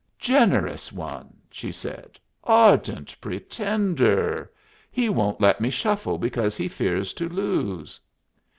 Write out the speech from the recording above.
"Generous one!" she said. "Ardent pretender! He won't let me shuffle because he fears to lose."